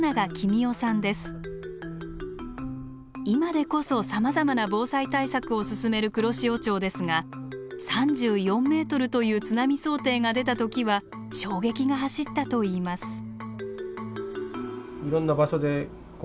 今でこそさまざまな防災対策を進める黒潮町ですが３４ｍという津波想定が出た時は衝撃が走ったといいます。